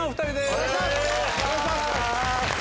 お願いします。